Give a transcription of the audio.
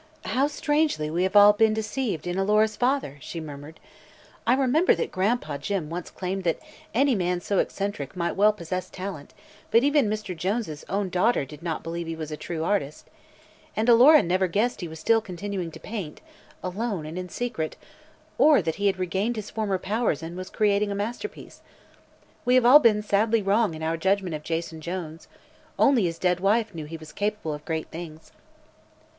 "How strangely we have all been deceived in Alora's father!" she murmured. "I remember that Gran'pa Jim once claimed that any man so eccentric might well possess talent, but even Mr. Jones' own daughter did not believe he was a true artist. And Alora never guessed he was still continuing to paint alone and in secret or that he had regained his former powers and was creating a masterpiece. We have all been sadly wrong in our judgment of Jason Jones. Only his dead wife knew he was capable of great things."